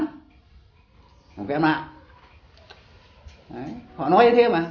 họ nói như thế mà